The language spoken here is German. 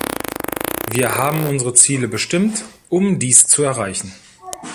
Wir haben unsere Ziele bestimmt, um dies zu erreichen.